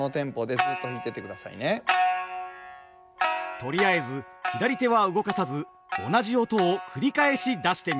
とりあえず左手は動かさず同じ音を繰り返し出してみます。